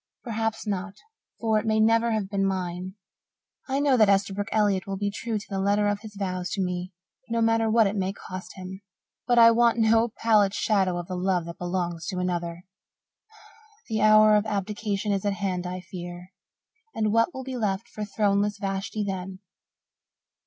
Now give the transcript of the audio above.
Perhaps not, for it may never have been mine. I know that Esterbrook Elliott will be true to the letter of his vows to me, no matter what it may cost him. But I want no pallid shadow of the love that belongs to another. The hour of abdication is at hand, I fear. And what will be left for throneless Vashti then?"